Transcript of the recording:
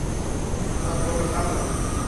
কত বড় সাহস?